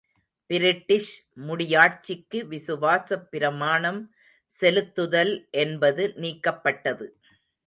British முடியாட்சிக்கு விசுவாசப் பிரமாணம் செலுத்துதல் என்பது நீக்கப்பட்டது.